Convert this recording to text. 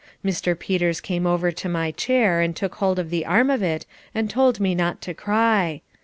Mr. Peters came over to my chair and took hold of the arm of it and told me not to cry.